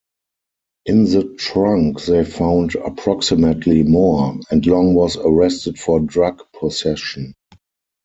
In the trunk they found approximately more, and Long was arrested for drug possession.